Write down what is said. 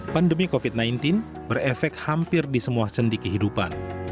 pandemi covid sembilan belas berefek hampir di semua sendi kehidupan